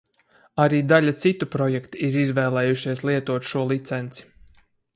Arī daļa citu projektu ir izvēlējušies lietot šo licenci.